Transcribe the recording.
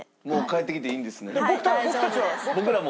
僕らも？